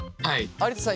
有田さん